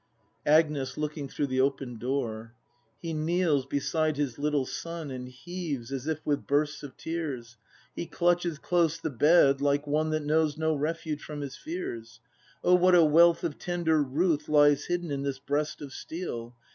ACT III] BRAND 115 Agnes. [Looking through the open door.] He kneels beside his little son, And heaves as if with bursts of tears; He clutches close the bed, like one That knows no refuge from his fears. — O what a wealth of tender ruth Lies hidden in this breast of steel!